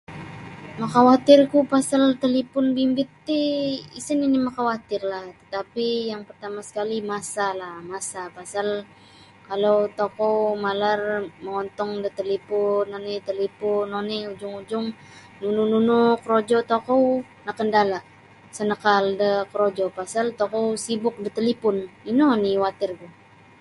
Makawatirku pasal talipon bimbit ti isa nini' makawatirlah tapi yang partama' sekali masa masalah pasal kalau tokou malar mongontong da talipon oni' talipon oni ujung-ujung nunu nunu korojo nakandala' isa nakaal do korojo pasal tokou sibuk da talipon ino oni' watirku.